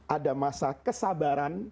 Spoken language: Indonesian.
ada masa kesabaran